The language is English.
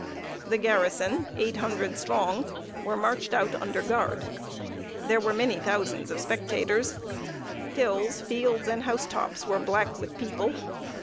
The garrison, eight hundred strong, were marched out under guard. There were many thousands of spectators. Hills, fields, and house tops were black with people.